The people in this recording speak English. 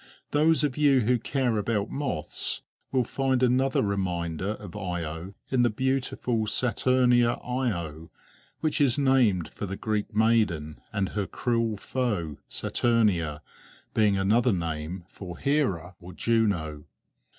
Those of you who care about moths will find another reminder of Io in the beautiful Saturnia Io, which is named for the Greek maiden and her cruel foe, Saturnia being another name for Hera or Juno.